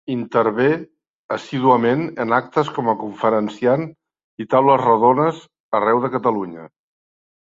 Intervé assíduament en actes com a conferenciant i taules rodones arreu de Catalunya.